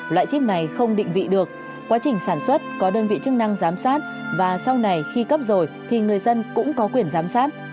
loại chip này không định vị được quá trình sản xuất có đơn vị chức năng giám sát và sau này khi cấp rồi thì người dân cũng có quyền giám sát